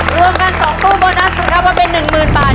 รวมกัน๒ตู้โบนัสครับว่าเป็น๑มนตร์